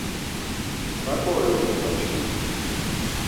Naǩo evedi açkinu.